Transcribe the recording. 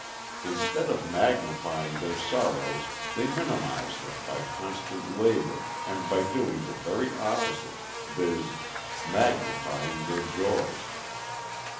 Instead of magnifying their sorrows they minimize them by constant labor and by doing the very opposite, viz., magnifying their joys.